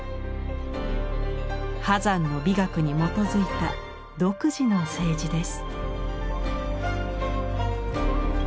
波山の美学に基づいた独自の青磁です。